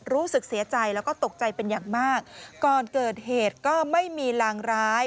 รู้สึกเสียใจแล้วก็ตกใจเป็นอย่างมากก่อนเกิดเหตุก็ไม่มีลางร้าย